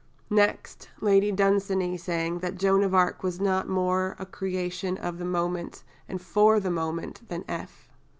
Next, Lady Dunsany saying that "Joan of Arc was not more a creation of the moment and for the moment than F.